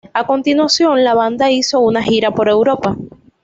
A continuación, la banda hizo una gira por Europa.